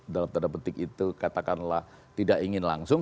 dalam tanda petik itu katakanlah tidak ingin langsung